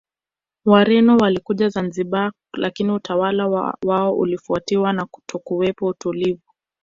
Wareno walikuja Zanzibar lakini utawala wao ulifuatiwa na kutokuwepo utulivu